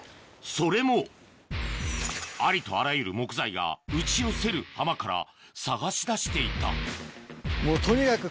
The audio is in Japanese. それもありとあらゆる木材が打ち寄せる浜から探し出していたもうとにかく。